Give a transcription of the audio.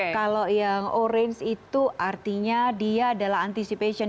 kalau yang orange itu artinya dia adalah anticipation